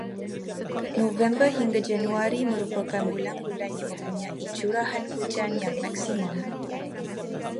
November hingga Januari merupakan bulan-bulan yang mempunyai curahan hujan yang maksimum.